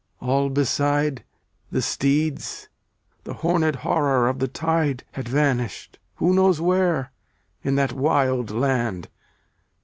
All beside, The steeds, the hornèd Horror of the Tide, Had vanished who knows where? in that wild land.